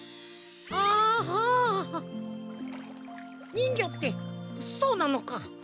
にんぎょってそうなのか。